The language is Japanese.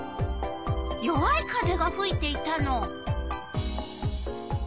弱い風がふいていたの。